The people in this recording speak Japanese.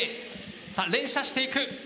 さあ連射していく。